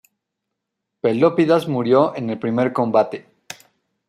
Pelópidas murió en el primer combate.